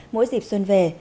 mỗi dịp xuân về